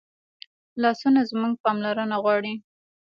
لاسونه زموږ پاملرنه غواړي